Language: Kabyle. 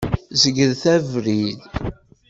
Zegret abrid!